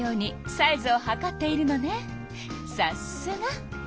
さすが！